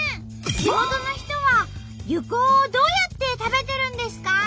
地元の人は柚香をどうやって食べてるんですか？